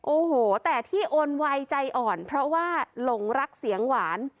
โอ้โหแต่ที่โอนไวใจอ่อนเพราะว่าหลงรักเสียงหวาน